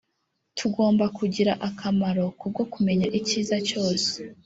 Tugomba kugira akamaro ku bwo kumenya icyiza cyose